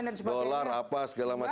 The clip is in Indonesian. soal narik dolar dolar apa segala macam